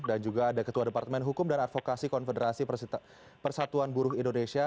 dan juga ada ketua departemen hukum dan advokasi konfederasi persatuan burung indonesia